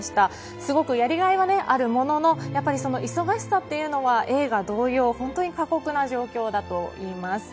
すごくやりがいはあるものの忙しさというのは映画同様本当に過酷な状況だといいます。